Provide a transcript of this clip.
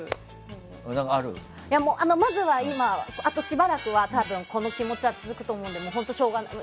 まずは今、しばらくはこの気持ちは続くと思うので本当にしょうがない。